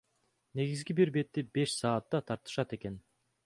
Негизи бир бетти беш саатта тартышат экен.